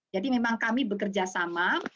jadi memang kami bekerjasama